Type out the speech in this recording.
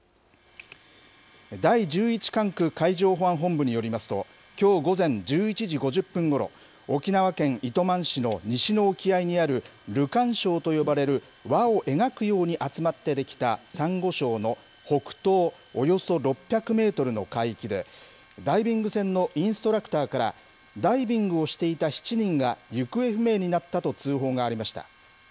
第１１管区海上保安本部によりますと、きょう午前１１時５０分ごろ、沖縄県糸満市の西の沖合にあるルカン礁と呼ばれる輪を描くように集まって出来た、サンゴ礁の北東およそ６００メートルの海域で、ダイビング船のインストラクターから、ダイビングをしていた７人が行方不明になったと通報がありました。